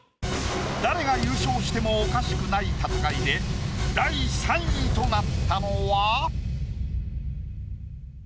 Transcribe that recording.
誰が優勝してもおかしくない戦いで第３位となったのは？